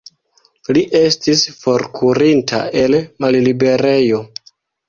Li estis forkurinta el malliberejo.